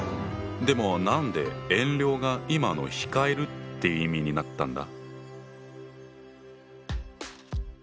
でも何で遠慮が今の「控える」っていう意味になったんだ？